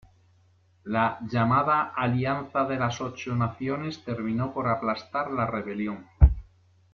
La llamada Alianza de las Ocho Naciones terminó por aplastar la rebelión.